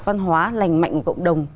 văn hóa lành mạnh của cộng đồng